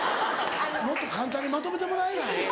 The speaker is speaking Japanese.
もっと簡単にまとめてもらえない？